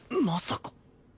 まさか。